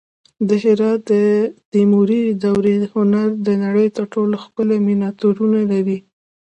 د هرات د تیموري دورې هنر د نړۍ تر ټولو ښکلي مینیاتورونه لري